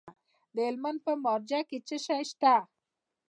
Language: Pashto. د هلمند په مارجه کې څه شی شته؟